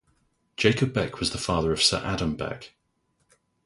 Jacob Beck was the father of Sir Adam Beck.